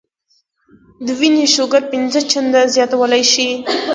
د وينې شوګر پنځه چنده زياتولے شي -